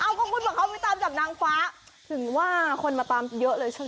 เอ้าคุณบอกว่าเขาไปตามจับนางฟ้าถึงว่าคนมาตามเยอะเลย